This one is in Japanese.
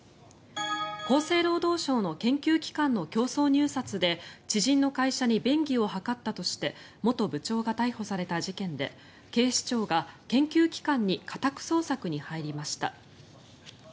厚生労働省の研究機関の競争入札で知人の会社に便宜を図ったとして元部長が逮捕された事件で警視庁が研究機関に家宅捜索に入りました。